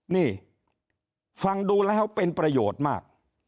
นี่ฟังดูแล้วเป็นประโยชน์มาก